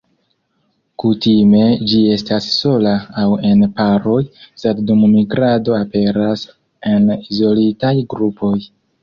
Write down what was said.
Kutime ĝi estas sola aŭ en paroj, sed dum migrado aperas en izolitaj grupoj.